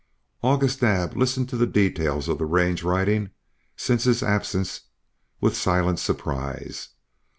August Naab listened to the details of the range riding since his absence, with silent surprise.